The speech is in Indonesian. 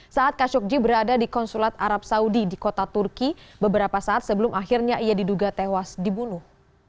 saat khashoggi berada di konsulat arab saudi di kota turki beberapa saat sebelum akhirnya ia diduga tewas dibunuh